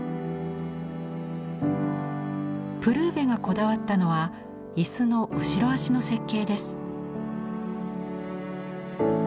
プルーヴェがこだわったのは椅子の後ろ脚の設計です。